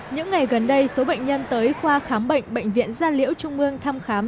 những ngày gần đây số bệnh nhân tới khoa khám bệnh bệnh viện gia liễu trung mương thăm khám